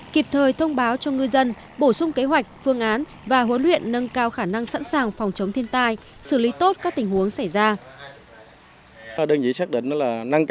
kịp thời thông báo cho ngư dân bổ sung kế hoạch phương án và huấn luyện nâng cao khả năng sẵn sàng phòng chống thiên tai xử lý tốt các tình huống xảy ra